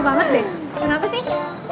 banget deh kenapa sih